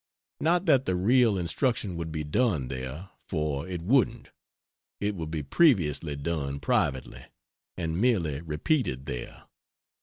Not that the real instruction would be done there, for it wouldn't; it would be previously done privately, and merely repeated there.